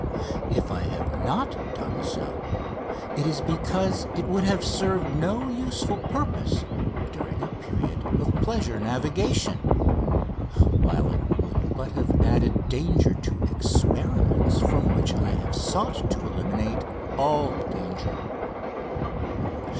If I have not done so it is because it would have served no useful purpose during a period of pleasure navigation, while it would but have added danger to experiments from which I have sought to eliminate all danger.